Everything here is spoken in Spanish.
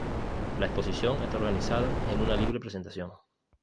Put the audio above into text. La exposición está organizada en una libre presentación.